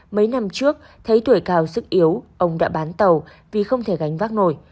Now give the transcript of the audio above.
mấy năm trước thấy tuổi cao sức yếu ông đã bán tàu vì không thể gánh vác nổi